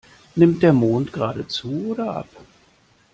Nimmt der Mond gerade zu oder ab?